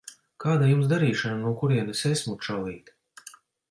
Kāda Jums darīšana no kurienes esmu, čalīt?